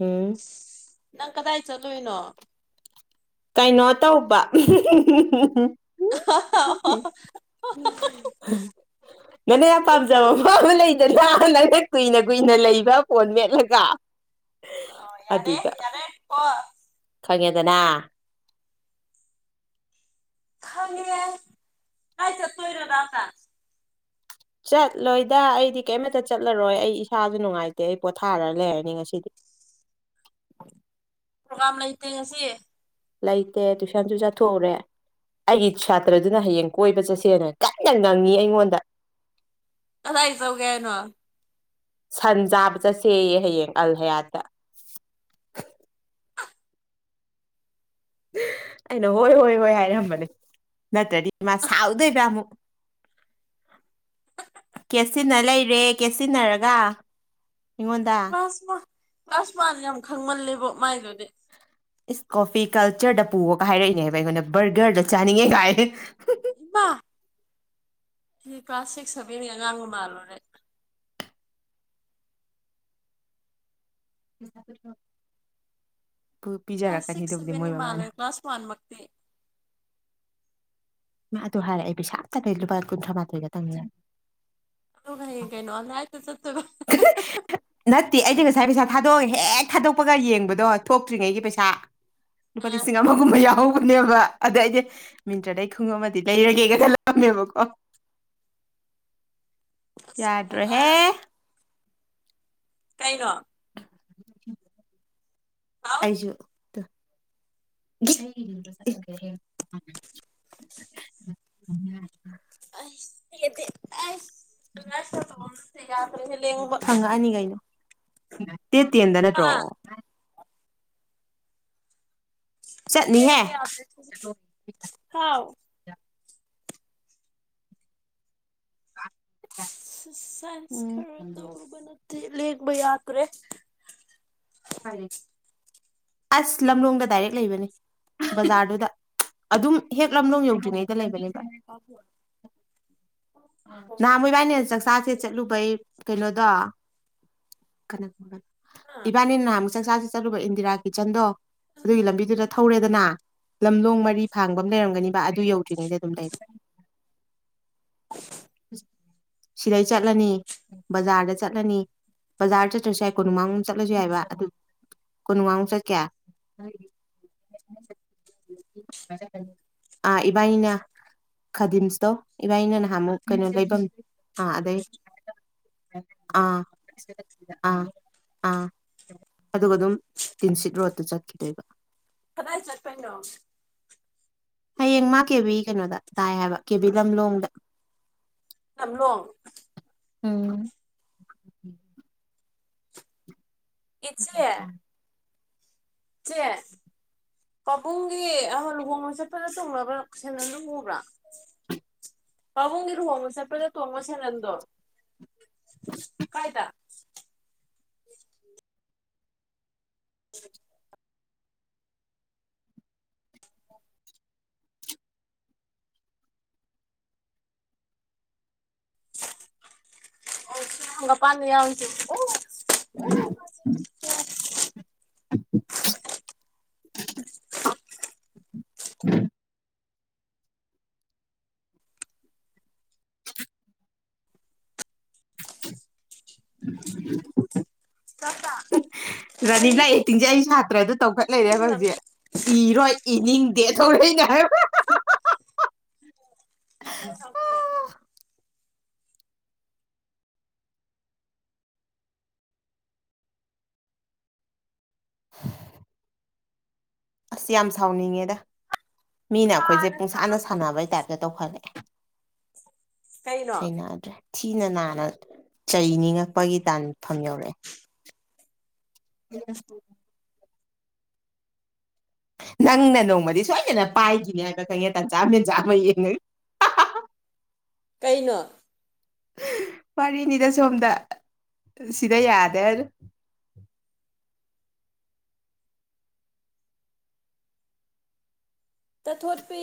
ꯎꯝ ꯅꯪ ꯀꯗꯥꯏ ꯆꯠꯂꯨꯏꯅꯣ ꯀꯩꯅꯣ ꯇꯧꯕ ꯍ ꯍ ꯍ [unintelligible] ꯅꯅ ꯌꯥꯝ ꯄꯥꯝꯖꯕ ꯃ ꯑꯃ ꯂꯩꯗꯅ ꯅꯪꯅ ꯀꯨꯏꯅ ꯀꯨꯏꯅ ꯂꯩꯕ꯭ꯔ ꯐꯣꯟ ꯃꯦꯠꯂꯒ ꯑꯣ ꯌꯥꯔꯦ ꯑꯗꯨꯗ ꯌꯥꯔꯦ ꯀꯣ ꯈꯪꯉꯦꯗꯅ ꯈꯪꯉꯦ ꯀꯥꯏ ꯆꯠꯇꯣꯏꯔꯣ ꯅꯪꯅ ꯆꯠꯂꯣꯏꯗ ꯑꯩꯗꯤ ꯀꯩꯃꯇ ꯆꯠꯂꯔꯣꯏ ꯑꯩ ꯏꯁꯥꯁꯨ ꯅꯨꯡꯉꯥꯏꯇꯦ ꯑꯩ ꯄꯣꯊꯥꯔ ꯂꯩꯔꯅꯤ ꯉꯁꯤꯗꯤ ꯄ꯭ꯔꯣꯒꯥꯝ ꯂꯩꯇꯦ ꯉꯁꯤ ꯂꯩꯇꯦ ꯇꯨꯏꯁꯟꯁꯨ ꯆꯠꯊꯣꯛꯎꯔꯦ ꯑꯩꯒꯤ ꯁꯥꯇ꯭ꯔꯗꯨꯅ ꯍꯌꯦꯡ ꯀꯣꯏꯕ ꯆꯠꯁꯦꯅ ꯀꯟꯅ ꯉꯪꯏ ꯑꯩꯉꯣꯟꯗ ꯀꯥꯗꯥꯏ ꯆꯧꯒꯦ ꯍꯥꯏꯅꯣ ꯁꯟ ꯆꯥꯕ ꯆꯠꯁꯦꯌꯦ ꯍꯌꯦꯡ ꯑꯜ ꯍꯌꯥꯠꯇ ꯑꯩꯅ ꯍꯣꯏ ꯍꯣꯏ ꯍꯣꯏ ꯍꯥꯏꯔꯝꯕꯅꯦ ꯅꯠꯇ꯭ꯔꯗꯤ ꯃꯥ ꯁꯥꯎꯗꯣꯏꯕ ꯑꯃꯨꯛ ꯀꯦꯠꯁꯤꯟꯅ ꯂꯩꯔꯦ ꯀꯦꯠꯁꯤꯟꯅꯔꯒ ꯑꯩꯉꯣꯟꯗ ꯑꯁ ꯃꯥ ꯑꯁ ꯃꯏꯗꯣ ꯌꯥꯝ ꯈꯪꯃꯜꯂꯦꯕꯨ ꯃꯥꯏꯗꯨꯗꯤ ꯏꯁ ꯀꯣꯐꯤ ꯀꯜꯆꯔꯗ ꯄꯨꯑꯣꯀꯥ ꯍꯥꯏꯔꯛꯏꯅꯦꯕ ꯑꯩꯉꯣꯟꯗ ꯕꯔꯒꯔꯗ ꯆꯥꯅꯤꯡꯉꯦ ꯀꯥꯏ ꯕ ꯁꯤ ꯀ꯭ꯂꯥꯁ ꯁꯤꯛꯁ ꯁꯚꯦꯟꯒꯤ ꯑꯉꯥꯡꯒ ꯃꯥꯜꯂꯨꯔꯦ [inaudible] ꯀ꯭ꯂꯥꯁ ꯄꯤꯖꯔꯛꯀꯅꯤ ꯁꯤꯛꯁ ꯑꯗꯨꯕꯨꯗꯤ ꯃꯣꯏ ꯁꯚꯦꯟꯒꯤ ꯃꯃꯥꯅ ꯃꯥꯜꯂꯨꯔꯦ ꯀ꯭ꯂꯥꯁ ꯋꯥꯟ ꯃꯛꯇꯤ ꯃꯥ ꯑꯗꯨ ꯍꯥꯏꯔꯒꯥ ꯑꯩ ꯄꯩꯁꯥ ꯑꯝꯇ ꯂꯩ ꯂꯨꯄꯥ ꯀꯨꯟꯊ꯭ꯔꯥ ꯃꯥꯊꯣꯏ ꯈꯛꯇꯪ ꯂꯩ ꯑꯗꯨꯒ ꯍꯌꯦꯡ ꯀꯩꯅꯣ ꯑꯥꯜꯂꯥ ꯍꯥꯏꯠꯇ ꯆꯠꯇꯣꯏꯔꯣ ꯍꯥ ꯍꯥ ꯅꯠꯇꯦ ꯑꯩꯗꯤ ꯉꯁꯥꯏ ꯄꯩꯁꯥ ꯊꯥꯗꯣꯛꯑ ꯍꯦꯛ ꯊꯥꯗꯣꯛꯄꯒ ꯌꯦꯡꯕꯗꯣ ꯊꯣꯛꯇ꯭ꯔꯤꯉꯩꯒꯤ ꯄꯩꯁꯥ ꯅꯨꯨꯄꯥ ꯑ ꯂꯤꯁꯤꯡ ꯑꯃꯒꯨꯝꯃ ꯌꯥꯎꯕ ꯅꯦꯕ ꯑꯗ ꯑꯩꯗꯤ ꯃꯤꯟꯇ꯭ꯔꯗꯩ ꯈꯨꯡꯎꯞ ꯑꯃꯗꯤ ꯂꯩꯔꯒꯦꯒꯥ ꯈꯂꯝꯃꯦꯕꯀꯣ ꯑꯁ ꯈꯨꯃꯨꯛ ꯑ ꯌꯥꯗ꯭ꯔꯦꯍꯦ ꯀꯩꯅꯣ [inaudible] ꯍꯥꯎ ꯑꯩꯁꯨ ꯇꯨ ꯒ꯭ꯔꯤ [unintelligible] ꯎꯝ [unintelligible] ꯑꯩꯁ ꯇꯦꯛ ꯑꯦ ꯇꯦꯛ ꯑꯩꯁ ꯑꯗꯨꯃꯥꯏ ꯈ ꯇꯧꯑꯣꯃꯦ ꯑꯝꯇ ꯌꯥꯗ꯭ꯔꯦꯍꯦ ꯂꯦꯡꯕ ꯐꯪꯉꯛꯑꯅꯤ ꯀꯩꯅꯣ ꯗꯦꯠ ꯇꯦꯟꯗ ꯍꯥ ꯅꯠꯇ꯭ꯔꯣ ꯆꯠꯅꯤꯍꯦ ꯂꯦꯡꯕ ꯌꯗ꯭ꯔꯦ ꯍꯥꯎ ꯑꯦꯛꯁꯔꯁꯥꯏꯁ ꯎꯝ ꯈꯔ ꯇꯧꯔꯨꯕ ꯅꯠꯇꯦ ꯂꯦꯡꯕ ꯌꯥꯗ꯭ꯔꯦ ꯐꯔꯦ ꯑꯁ ꯂꯝꯂꯣꯡꯗ ꯗꯥꯏꯔꯦꯛ ꯂꯩꯕꯅꯦ ꯕꯖꯥꯔꯗꯨꯗ ꯑꯗꯨꯝ ꯍꯦꯛ ꯂꯝꯂꯣꯡ ꯌꯧꯗ꯭ꯔꯤꯉꯩꯗ ꯂꯩꯕꯅꯦ ꯅꯍꯥꯟꯃꯨꯛ ꯏꯕꯥꯟꯅꯤꯅꯥ ꯆꯥꯛꯆꯥꯖꯦ ꯆꯠꯂꯨꯕꯩ ꯀꯩꯅꯣꯗꯣ [unintelligible] ꯍꯥ ꯏꯕꯥꯟꯅꯤ ꯅꯍꯟꯃꯨꯛ ꯆꯥꯛ ꯆꯥꯖꯦ ꯆꯠꯂꯨꯕ ꯏꯟꯗꯤꯔꯥ ꯀꯤꯠꯆꯟꯗꯣ ꯑꯗꯨꯒꯤ ꯂꯝꯕꯤꯗꯨꯗ ꯊꯧꯔꯦꯗꯅ ꯂꯝꯂꯣꯡ ꯃꯔꯤ ꯐꯥꯡꯕ ꯑꯝ ꯂꯩꯔꯝꯒꯅꯤꯕ ꯑꯗꯨ ꯌꯧꯗ꯭ꯔꯤꯉꯩꯗ ꯑꯗꯨꯝ ꯂꯩꯔꯦ [unintelligible] ꯁꯤꯗꯩ ꯆꯠꯂꯅꯤ ꯕꯖꯥꯔꯗ ꯆꯠꯂꯅꯤ ꯕꯖꯥꯔ ꯆꯠꯇ꯭ꯔꯁꯨ ꯌꯥꯏ ꯀꯣꯅꯨꯡꯃꯥꯡ ꯆꯠ ꯆꯠꯂꯖꯨ ꯌꯥꯏꯕ ꯑꯗꯨ ꯀꯣꯅꯨꯡꯃꯡ ꯆꯠꯀꯦ ꯑꯥ ꯏꯕꯥꯟꯅꯤꯅ ꯈꯗꯤꯝꯁꯇꯣ ꯏꯕꯥꯟꯅꯤꯅ ꯅꯍꯥꯟꯃꯨꯛ ꯀꯩꯅꯣ ꯂꯩꯐꯝ ꯑꯥ ꯑꯗꯩ ꯑꯥ ꯑꯥ ꯑꯥ ꯑꯗꯨꯒ ꯑꯗꯨꯝ ꯇꯤꯟꯁꯤꯠ ꯔꯣꯠꯇ ꯆꯠꯈꯤꯗꯣꯏꯕ ꯀꯗꯥꯏ ꯆꯠꯄꯩꯅꯣ ꯍꯌꯦꯡ ꯃꯥ ꯀꯦꯕꯤ ꯀꯩꯅꯣꯗ ꯇꯥꯏ ꯍꯥꯏꯕ ꯀꯦꯕꯤ ꯂꯝꯂꯣꯡꯗ ꯂꯝꯂꯣꯡ ꯎꯝ ꯏꯆꯦ ꯆꯦ ꯄꯥꯕꯨꯡꯒꯤ ꯑꯍ ꯂꯨꯍꯣꯡꯕ ꯆꯠꯄꯗ ꯇꯣꯡꯅꯕ ꯁꫭꯟꯗꯜꯗꫭ ꯎꯕ꯭ꯔꯥ ꯄꯥꯕꯨꯡꯒꯤ ꯂꯨꯍꫭꯡꯕ ꯆꯠꯄꯗ ꯇꫭꯡꯕ ꯁꯦꯟꯅꯗꫭ ꯀꯥꯏ‌ꯗ ꯎ [unintelligible] ꯑꫭ ꯁꯤ ꯍꯪꯒꯄꯥꯟꯗ ꯌꯥꯎꯔꯤꯖꯦ ‌ꯑꫭ ꯑꫭ [inaudible] [unintelligible] [inaudible] ꯆꯥꯛꯆ꯫ ꯔꯥꯅꯤꯕꯂꯥ ꯑꯦꯛꯇꯤꯡꯖꯦ ꯑꯩ ꯁꯥꯇ꯭ꯔꯗ ꯇꯧꯈꯠ ꯂꯩꯔꯦꯕ ꯍꯧꯖꯤꯛ꯫ ꯏꯔꯣꯏ ꯏꯅꯤꯡꯗꯦ ꯊꯧꯔꯛꯏꯅꯦ ꯍꯥꯏꯕ꯫ ꯅꯪ ꯁꯥꯎꯇꯤꯌꯦ꯫ [inaudible] ꯑꯁ ꯌꯥꯝ ꯁꯥꯎꯅꯤꯡꯉꯦꯗ꯫ ꯃꯤꯅ ꯑꯩꯈꯣꯏꯖꯦ ꯍꯥꯟꯅ ꯄꯨꯡꯁꯥꯟꯗ ꯊꯥꯕꯅꯦ ꯁꯥꯟꯅꯕꯩ ꯇꯥꯏꯞꯇ ꯇꯧꯈꯠꯂꯛꯑꯦ꯫ ꯀꯩꯅꯣ ꯍꯩꯅꯗ꯭ꯔꯦ꯫ ꯊꯤꯅ ꯅꯥꯅ ꯆꯩꯅꯤꯡꯉꯛꯄꯒꯤ ꯇꯥꯟꯐꯝ ꯌꯧꯔꯛꯑꯦ꯫ ꯎ꯫ [inaudible] ꯅꯪꯅ ꯅꯣꯡꯃꯗꯤ ꯁꯣꯏꯗꯅ ꯄꯥꯏꯒꯤꯅꯦ ꯍꯥꯏꯕ ꯈꯪꯉꯦ ꯇꯟꯖꯥ-ꯃꯦꯟꯖꯥ ꯑꯃ ꯌꯦꯡꯉꯒ꯫ ꯀꯩꯅꯣ꯫ ꯋꯥꯔꯤꯅꯤꯗ ꯁꯣꯝꯗ ꯁꯤꯗ ꯌꯥꯗꯦ ꯍꯥꯏꯔꯤ꯫ ꯇꯥꯊꯣꯠꯄꯤ꯫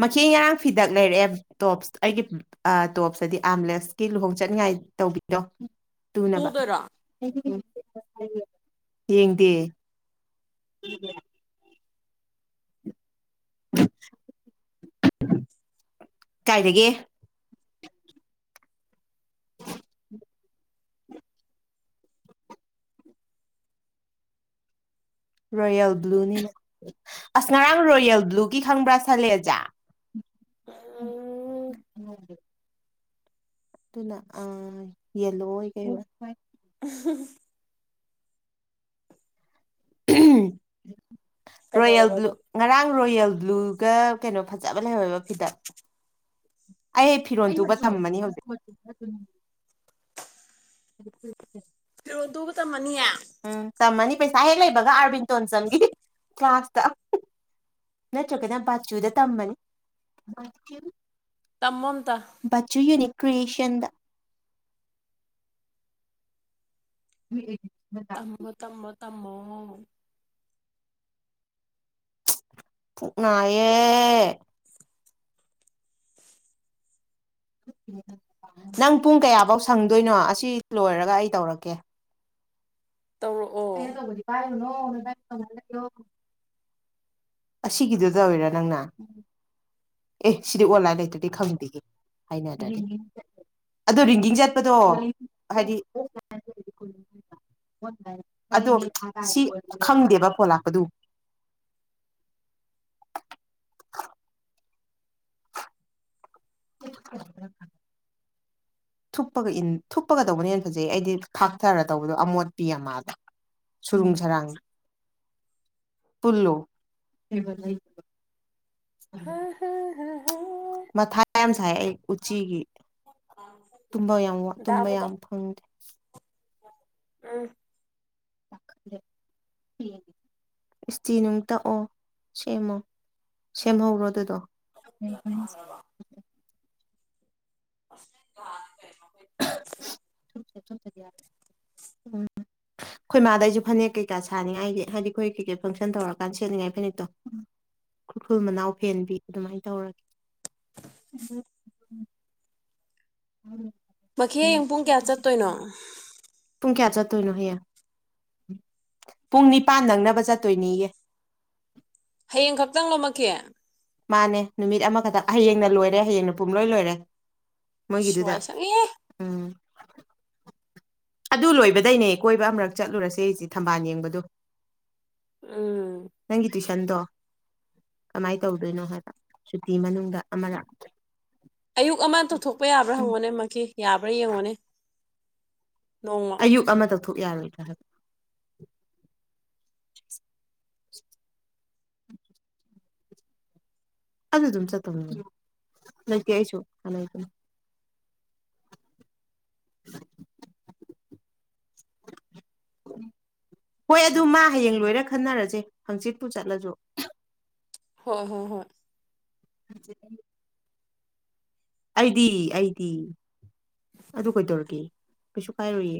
ꯃꯈꯤ‌ ꯉꯔꯥꯡ ꯐꯤꯗꯛ ꯂꯩꯔꯛꯑꯦ ꯇꯣꯞꯁ ꯑꯩꯒꯤ꯫ ꯑꯥ ꯇꯣꯞꯁꯑꯗꯤ ꯑꯥꯝꯂꯦꯁꯀꯤ ꯂꯨꯍꯣꯡ ꯆꯠꯅꯤꯉꯥꯏ ꯇꯧꯕꯤꯗꯣ ꯇꯨꯅꯕ꯫ ꯇꯨꯗꯣꯏꯔꯣ ꯌꯦꯡꯗꯦ꯫ ꯀꯥꯏꯗꯒꯤ꯫ ꯔꯣꯌꯦꯜ ꯕ꯭ꯂꯨꯅꯤꯅ ꯑꯁ ꯉꯔꯥꯡ ꯔꯣꯌꯦꯜ ꯕ꯭ꯂꯨꯒꯤ ꯈꯪꯕ꯭ꯔꯥ ꯁꯂꯦꯖꯥ꯫ [unintelligible] ꯈꯪꯍꯧꯗꯦ꯫ ꯑꯗꯨꯅ ꯑ ꯌꯦꯂꯣ ꯑꯣꯏ ꯀꯩꯑꫭꯏ꯫ [unintelligible] ꯔꯣꯌꯦꯜ ꯀꯩꯗꯧꯔꯕ ꯕ꯭ꯂꯨ ꯑꯗꯣ ꯉꯔꯥꯡ ꯔꯣꯌꯦꯜ ꯕ꯭ꯂꯨꯒ꯫ ꯀꯩꯅꯣ ꯐꯖꯕ ꯂꯩꯍꯧꯋꯦꯕ ꯐꯤꯗꯛ꯫ ꯑꯩ ꯐꯤꯔꯣꯟ ꯇꯨꯕ ꯊꯝꯃꯅꯤ ꯍꯧꯖꯤꯛ꯫ ꯐꯤꯔꯣꯜ ꯇꯨꯕ ꯇꯝꯃꯅꯤꯌꯦ꯫ ꯎꯝ ꯇꯝꯃꯅꯤ ꯄꯩꯁꯥ ꯍꯦꯛ ꯂꯩꯕꯒ ꯑꯥꯔꯕꯤꯟ ꯇꯣꯟꯖꯝꯒꯤ ꯀ꯭ꯂꯥꯁꯇ꯫ ꯅꯠꯇ꯭ꯔꯒꯅ ꯕꯥꯆꯨꯗ ꯇꯝꯃꯅꯤ꯫ ꯇꯝꯃꯣ ꯑꯝꯇꯥ꯫ ꯕꯆꯨ ꯌꯨꯅꯤꯛ ꯀ꯭ꯔꯤꯌꯦꯁꯟꯗ꯫ [unintelligible] ꯇꯝꯃꯣ ꯇꯝꯃꯣ ꯇꯝꯃꯣ꯫ ꯄꯨꯛꯅꯥꯏꯌꯦ꯫ ꯅꯪ ꯄꯨꯡ ꯀꯌꯥꯕꯧ ꯁꯪꯗꯣꯏꯅꯣ ꯑꯁꯤ ꯂꯣꯏꯔꯒ ꯑꯩ ꯇꯧꯔꯛꯀꯦ ꯇꯧꯔꯛꯑꯣ꯫ ꯑꯩꯅꯥ ꯇꯧꯕꯗꯤ ꯄꯥꯏꯔꯨꯅꯣ ꯅꯕꯥꯅꯤ ꯇꯧꯅꯔ ꯂꯩꯔꯣ ꯑꯁꯤꯒꯤꯗꯨ ꯇꯧꯔꯤꯔꯣ ꯅꯪꯅ꯫ ꯑꯦ ꯁꯤꯗꯤ ꯑꯣꯟꯂꯥꯏꯟ ꯂꯩꯇ꯭ꯔꯗꯤ ꯈꯪꯗꯦꯍꯦ ꯍꯥꯏꯅꯗꯗꯤ ꯑꯗꯣ ꯔꯤꯡꯒꯤꯡ ꯆꯠꯄ ꯗꯣ ꯍꯥꯏꯗꯤ [unintelligible] ꯑꯗꯣ ꯁꯤ ꯈꯪꯗꯦꯕ ꯐꯣꯟ ꯂꯥꯛꯄꯗꯨ [unintelligible] ꯊꯨꯞꯄꯒ ꯏꯟ ꯊꯨꯞꯄꯒ ꯇꯧꯕꯅ ꯍꯦꯟꯅ ꯐꯖꯩ ꯑꯩꯗꯤ ꯊꯥꯛꯊꯔ ꯇꯧꯕꯗꯣ ꯑꯃꯣꯠꯄꯤ ꯌꯥꯝ ꯃꯥꯜꯂꯦ ꯁꯨꯔꯨꯡ ꯁꯔꯥꯡ꯫ ꯄꯨꯜꯂꯨ [unintelligible] ꯃꯊꯥ ꯌꯥꯝ ꯁꯥꯏ ꯑꯩ ꯎꯆꯤꯒꯤ ꯇꯨꯝꯕ ꯌꯥꯝ ꯇꯨꯝꯕ ꯗꯥꯕꯨꯗ ꯌꯥꯝ ꯐꯪꯗ꯭ꯔꯦ ꯎꯝ꯫ [unintelligible] ꯏꯁꯇꯤ ꯅꯨꯡ ꯇꯛꯑꯣ ꯁꯦꯝꯃꯣ ꯁꯦꯝꯍꯧꯔꯣ ꯑꯗꯨꯗꯣ [unintelligible] ꯑꯁ ꯅꯍꯥꯟ ꯀꯩꯅꫭꯒꯤ [unintelligible] ꯈꯣꯏ ꯃꯥꯗꯩꯁꯨ ꯐꯅꯦꯛ ꯀꯩꯀꯥ ꯁꯥꯅꯤꯡꯉꯥꯏꯒꯤ ꯍꯥꯏꯗꯤ ꯈꯣꯏ ꯀꯩꯀꯩ ꯐꯪꯁꯟ ꯇꯧꯔꯀꯥꯟ ꯁꯦꯠꯅꯤꯡꯉꯥꯏ ꯐꯅꯦꯛꯇꯣ ꯫ ꯈꯨꯔꯈꯨꯜ ꯃꯅꯥꯎ ꯐꯦꯟꯕꯤ ꯑꯗꯨꯃꯥꯏꯅ ꯇꯧꯔꯒꯦ [unintelligible] ꯃꯈꯤ ꯎꯝ ꯍꯌꯦꯡ ꯄꯨꯡ ꯀ꯭ꯌꯥ ꯆꯠꯇꯣꯏꯅꯣ꯫ ꯄꯨꯡ ꯀ꯭ꯌꯥ ꯆꯠꯇꯣꯏꯅꯣ ꯍꯌꯦꯡ ꯄꯨꯡ ꯅꯤꯄꯥꯟ ꯅꯪꯅꯕ ꯆꯠꯇꯣꯏꯅꯤ ꯌ‌ꯦ ꯍꯌꯦꯡ ꯈꯛꯇꯪ ꯂꯣ ꯃꯈꯤ꯫ ꯃꯥꯅꯦ ꯅꯨꯃꯤꯠ ꯑꯃꯈꯇ ꯍꯌꯦꯡꯅ ꯂꯣꯏꯔꯦ ꯍꯌꯦꯡꯅ ꯄꯨꯝꯂꯣꯏ ꯂꯣꯏꯔꯦ ꯏꯁ ꯃꯣꯏꯒꯤꯗꯨꯗ ꯋꯥꯏ ꯁꯪꯉꯦꯍꯦ ꯎꯝ ꯑꯗꯨ ꯂꯣꯏꯕꯗꯩꯅꯦ ꯀꯣꯏꯕ ꯑꯃ꯭ꯔꯛ ꯆꯠꯂꯨꯔꯁꯦ ꯍꯩꯁꯦ ꯊꯝꯕꯥꯜ ꯌꯦꯡꯕꯗꯣ꯫ ꯎꯝ꯫ ꯅꯪꯒꯤ ꯇꯨꯏꯁꯟꯗꯣ ꯀꯃꯥꯏꯟ ꯇꯧꯗꯣꯏꯅꯣ ꯍꯥꯏꯕ ꯁꯨꯇꯤ ꯃꯅꯨꯡꯗ ꯑꯃ ꯂꯥꯛ꯫ ꯑꯌꯨꯛ ꯑꯃ ꯇꯧꯊꯣꯛꯄ ꯌꯥꯕ꯭ꯔꯥ ꯎꯝ ꯍꯪꯉꯣꯅꯦ ꯃꯈꯤ ꯌꯥꯕ꯭ꯔꯥ ꯌꯦꯡꯉꯣꯅꯦ ꯅꯣꯡꯃ ꯑꯌꯨꯛ ꯑꯃ ꯇꯧꯊꯣꯛ ꯌꯥꯔꯣꯏꯗ꯭ꯔꯥ ꯍꯥꯏꯕ ꯑꯗꯨ ꯑꯗꯨꯝ ꯆꯠꯇꯧꯅꯦ ꯂꯩꯇ‌ꯦ ꯑꯩꯁꯨ [unintelligible] ꯍꯣꯏ ꯑꯗꯨ ꯃꯥ ꯍꯌꯦꯡ ꯂꯣꯏꯔ ꯈꯟꯅꯔꯁꯦ ꯍꯪꯆꯤꯠꯄꯨ ꯆꯠꯂꯁꯨ ꯍꯣ ꯍꯣ ꯍꯣꯏ꯫ [unintelligible] ꯑꯩꯗꯤ ꯑꯩꯗꯤ ꯑꯗꯨ ꯀꯩꯗꯧꯔꯒꯦ ꯀꯩꯁꯨ ꯀꯥꯏꯔꯣꯏꯌꯦ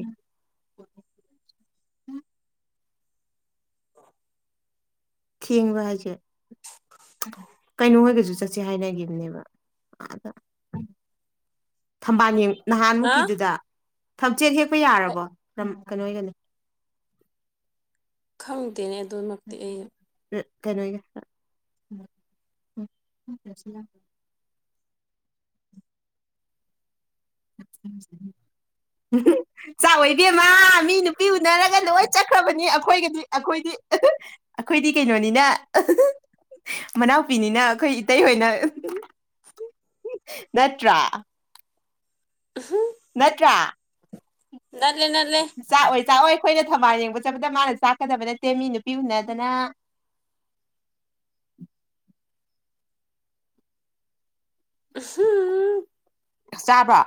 ꯑꯣ ꯊꯦꯡꯕ ꯍꯥꯏꯁꯦ [unintelligible] ꯀꯩꯅꯣ ꯍꫭꯏꯒꯁꯨ ꯆꯠꯁꯦ ꯍꯥꯏꯅꯒꯤꯝꯅꯦꯕ [unintelligible] ꯊꯝꯕꯥꯟ ꯌ‌ꯦꯡ ꯅꯍꯥꯟ ꯍꯥ ꯃꯨꯛꯀꯤꯗꯨꯗ ꯊꯝꯆꯦꯠ ꯍꯦꯛꯄ ꯌꯥꯔꯕꯣ ꯅꯝ ꯀꯩꯅꯣ ꯍꯣꯏꯒꯅꯤ꯫ ꯈꯪꯗꯦꯅꯦ ꯑꯗꫭꯃꯥ꯫ [unintelligible] ꯀꯩꯅꯣꯒꯤ [unintelligible] [unintelligible] ꯆꯥꯛꯑꯣꯏ ꯏꯕ‌ꯦꯝꯃ ꯃꯤ ꯅꯨꯄꯤ ꯎꯅꯔꯒ ꯂꯣꯏ ꯆꯠꯈ꯭ꯔꯕꯅꯤ ꯑꯈꯣꯏꯒꯗꯤ ꯑꯈꯣꯏꯗꯤ ꯑꯈꯣꯏꯗꯤ ꯀꯩꯅꯣꯅꯤꯅ꯫ ꯃꯅꯥꯎꯄꯤꯅꯤꯅ ꯑꯈꯣꯏ ꯏꯇꯩꯍꯣꯏꯅ ꯅꯠꯇ꯭ꯔꯥ ꯑꯍꯨꯝ꯫ ꯅꯠꯇ꯭ꯔꯥ ꯅꯠꯂꯤ ꯅꯠꯂꯤ ꯆꯥꯛꯑꯣꯏ ꯆꯥꯛꯑꯣꯏ ꯑꯈꯣꯏꯅ ꯊꯝꯕꯥꯜ ꯌꯦꯡꯕ ꯆꯠꯄꯗ ꯃꯥꯅ ꯆꯥꯛꯀꯗꯕ ꯅꯠꯇꯦ ꯃꯤ ꯅꯨꯄꯤ ꯎꯅꯗꯅ꯫ ꯍꯝ꯫ ꯆꯥꯕ꯭ꯔꯥ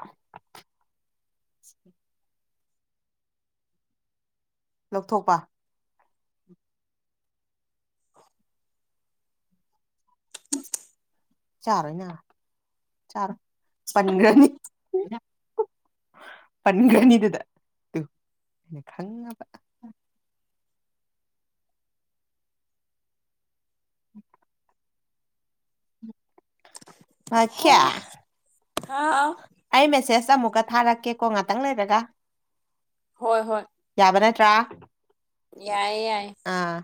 ꯂꯧꯊꯣꯛꯄ ꯆꯥꯔꫭꯏꯅꯥ ꯆꯥꯔꫭ ꯄꯟꯒ꯭ꯔꯥꯅꯤ ꯄꯟꯒ꯭ꯔꯥꯅꯤ ꯗꯨꯗꯥ ꯇꯨ ꯈꯪꯉꯕ [inaudible] ꯃꯥꯈꯤꯌꯥ ꯍꯥꯎ ꯑꯩ ꯃꯦꯁꯦꯁ ꯑꯃꯨꯛꯀ ꯊꯥꯔꯛꯀꯦꯀꯣ ꯉꯥꯛꯇꯪ ꯂꯩꯔꯒ ꯍꯣꯏ ꯍꯣꯏ꯫ ꯌꯥꯕ ꯅꯠꯇ꯭ꯔꯥ꯫ ꯌꯥꯏꯌ‌ꯦ ꯌꯥꯏ ꯑꯥ